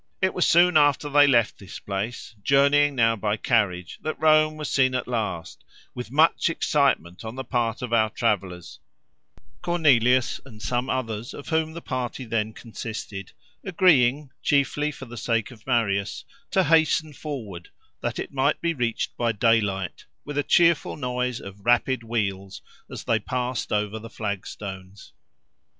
It was soon after they left this place, journeying now by carriage, that Rome was seen at last, with much excitement on the part of our travellers; Cornelius, and some others of whom the party then consisted, agreeing, chiefly for the sake of Marius, to hasten forward, that it might be reached by daylight, with a cheerful noise of rapid wheels as they passed over the flagstones.